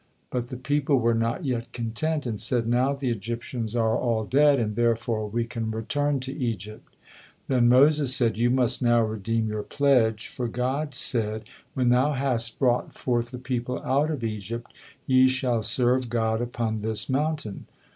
'" But the people were not yet content, and said, "Now the Egyptians are all dead, and therefore we can return to Egypt." Then Moses said, "You must now redeem your pledge, for God said, 'When thou hast brought forth the people out of Egypt, ye shall serve God upon this mountain.'"